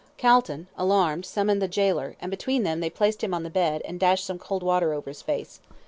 Calton, alarmed, summoned the gaoler, and between them they placed him on the bed, and dashed some cold water over his face.